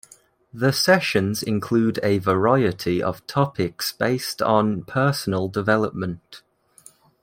The sessions include a variety of topics based on personal development.